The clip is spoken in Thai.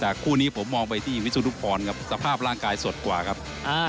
แต่คู่นี้ผมมองไปที่วิสุนุพรครับสภาพร่างกายสดกว่าครับ